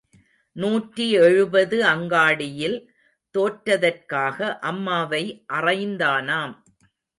நூற்றி எழுபது அங்காடியில் தோற்றதற்காக அம்மாவை அறைந்தானாம்.